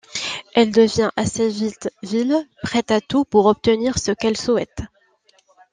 Elle devient assez vite vile, prête à tout pour obtenir ce qu'elle souhaite.